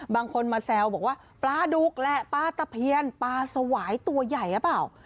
บางคนมาแซวบอกว่าปลาดุกแหละปลาตะเพียนปลาสวายตัวใหญ่หรือเปล่า